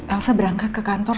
elsa berangkat ke kantor